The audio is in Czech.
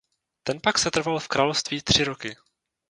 Ten pak setrval v království tři roky.